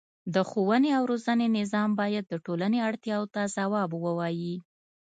د ښوونې او روزنې نظام باید د ټولنې اړتیاوو ته ځواب ووايي.